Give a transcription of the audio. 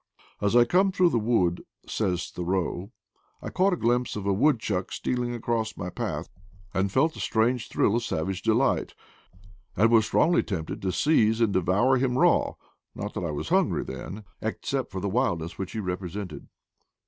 "As I came through the wood," says Thoreau, "I caught a glimpse of a woodchuck stealing across my path, and felt a strange thrill of savage de light, and was strongly tempted to seize and de vour him raw; not that I was hungry then, except^ for the wildness which he represented.'